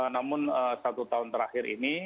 namun satu tahun terakhir ini